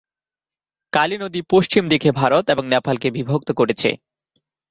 কালী নদী পশ্চিম দিকে ভারত এবং নেপালকে বিভক্ত করেছে।